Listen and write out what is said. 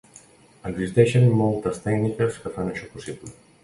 Existeixen moltes tècniques que fan això possible.